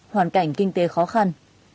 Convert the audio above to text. hoàn cảnh kinh tế khó khăn